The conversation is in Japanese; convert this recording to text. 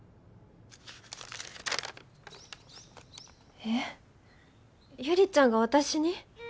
えっ悠里ちゃんが私に？